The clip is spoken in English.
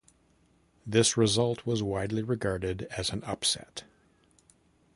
This result was widely regarded as an upset.